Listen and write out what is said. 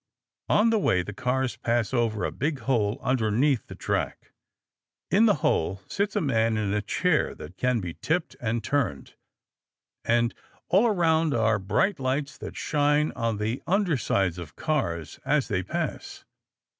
On the way the cars pass over a big hole underneath the track. In the hole sits a man in a chair that can be tipped and turned. And all around are bright lights that shine on the undersides of cars as they pass.